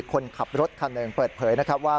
คนขับรถคันหนึ่งเปิดเผยนะครับว่า